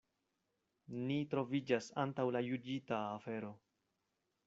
Ni troviĝas antaŭ la juĝita afero.